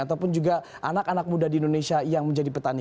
ataupun juga anak anak muda di indonesia yang menjadi petani